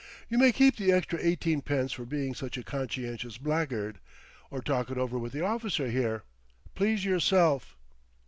You may keep the extra eighteen pence, for being such a conscientious blackguard, or talk it over with the officer here. Please yourself."